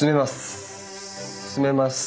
住めます。